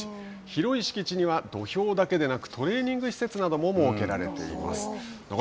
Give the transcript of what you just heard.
広い敷地には、土俵だけでなくトレーニング施設なども設けられています。